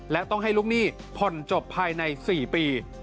และต้องให้ลูกหนี้ผ่อนจบภายใน๔ปี